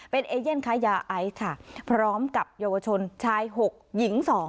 เป็นเอเย่นค้ายาไอซ์ค่ะพร้อมกับเยาวชนชาย๖หญิง๒